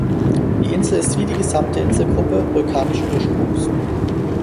Die Insel ist wie die gesamte Inselgruppe vulkanischen Ursprungs.